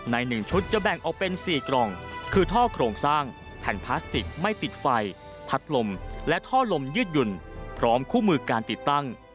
ใน๑ชุดจะแบ่งออกเป็น๔กล่องคือท่อโครงสร้างแผ่นพลาสติกไม่ติดไฟพัดลมและท่อลมยืดหยุ่นพร้อมคู่มือการติดตั้ง